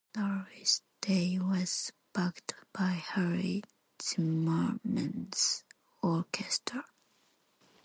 Doris Day was backed by Harry Zimmerman's Orchestra.